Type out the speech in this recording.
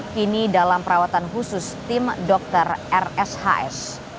kini dalam perawatan khusus tim dokter rshs